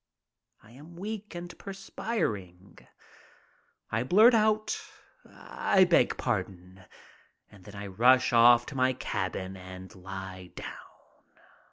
I am weak and perspiring. I blurt out, "I beg pardon," and then I rush off to my cabin and lie down.